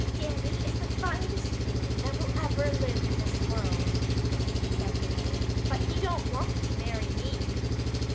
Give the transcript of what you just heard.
"Dannie is the finest man that will ever live in this world," said Mary, "but he don't want to marry me."